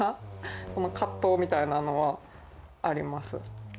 この葛藤みたいなのはあります。